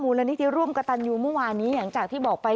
มูลณิที่ร่วมกับตันอยู่เมื่อวานี้อย่างจากที่บอกไป